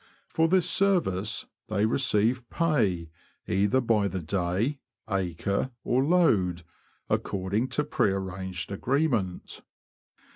For this service, they receive pay either by the day, acre, or load, according to pre arranged agreement.